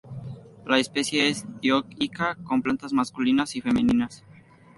La especie es dioica con plantas masculinas y femeninas.